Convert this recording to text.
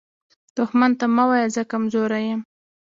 دښمن ته مه وایه “زه کمزوری یم”